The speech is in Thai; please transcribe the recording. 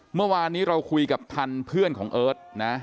เมื่อวานนี้เราคุยกับทันเพื่อนของเอิร์ทนะ